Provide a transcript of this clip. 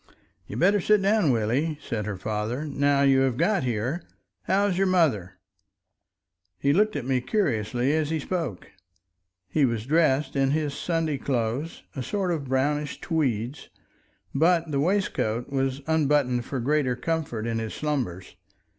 "You'd better sit down, Willie," said her father; "now you have got here. How's your mother?" He looked at me curiously as he spoke. He was dressed in his Sunday clothes, a sort of brownish tweeds, but the waistcoat was unbuttoned for greater comfort in his slumbers.